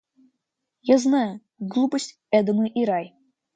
Я знаю: глупость – эдемы и рай!